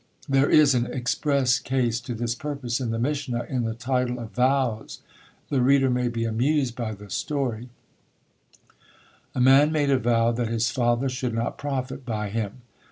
There is an express case to this purpose in the Mishna, in the title of Vows. The reader may be amused by the story: A man made a vow that his father should not profit by him.